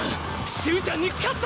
終ちゃんに勝った！